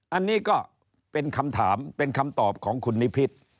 อันนี้ก็เป็นคำถามเป็นคำตอบของคุณนิพิษ